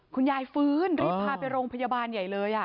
ฟื้นรีบพาไปโรงพยาบาลใหญ่เลย